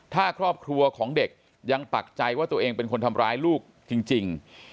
ถ้าครอบครัวของเด็กยังปักใจว่าตัวเองเป็นคนทำร้ายลูกจริง